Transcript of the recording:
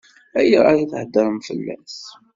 Ayɣer i theddṛem fell-as?